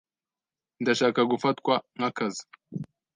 Ndashaka gufatwa nkakazi.